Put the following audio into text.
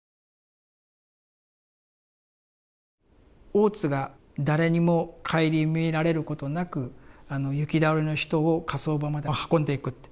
大津が誰にも顧みられることなくあの行き倒れの人を火葬場まで運んでいくって。